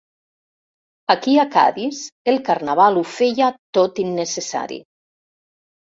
Aquí a Cadis el carnaval ho feia tot innecessari.